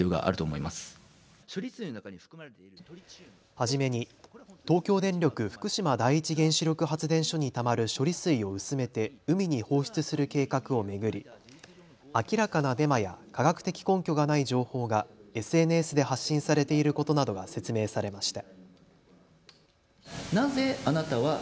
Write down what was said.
初めに東京電力福島第一原子力発電所にたまる処理水を薄めて海に放出する計画を巡り明らかなデマや科学的根拠がない情報がＳＮＳで発信されていることなどが説明されました。